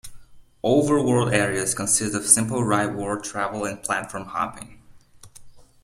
Overworld areas consist of simple rightward travel and platform hopping.